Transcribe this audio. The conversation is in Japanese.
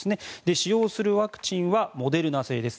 使用するワクチンはモデルナ製でです。